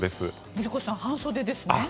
水越さん、半袖ですね。